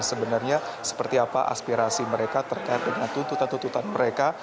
sebenarnya seperti apa aspirasi mereka terkait dengan tuntutan tuntutan mereka